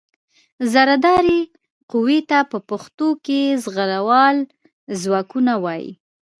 زرهدارې قوې ته په پښتو کې زغروال ځواکونه وايي.